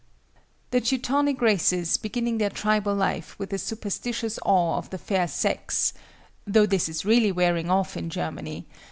The Teutonic races beginning their tribal life with a superstitious awe of the fair sex (though this is really wearing off in Germany!)